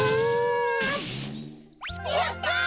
やった！